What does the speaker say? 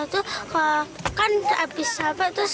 satu kan habis capek terus